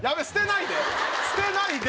捨てないで！